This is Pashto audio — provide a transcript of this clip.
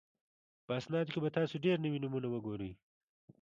په اسنادو کې به تاسو ډېر نوي نومونه وګورئ.